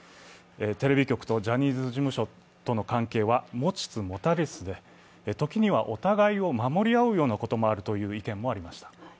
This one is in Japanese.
テレビ局とジャニーズ事務所との関係は持ちつ持たれつで、時にはお互いを守り会うようなこともあるという意見もありました。